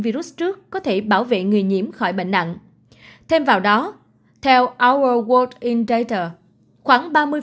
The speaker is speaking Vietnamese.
virus trước có thể bảo vệ người nhiễm khỏi bệnh nặng thêm vào đó theo our world in data khoảng